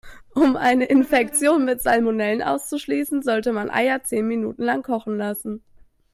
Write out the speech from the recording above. Um eine Infektion mit Salmonellen auszuschließen, sollte man Eier zehn Minuten lang kochen lassen.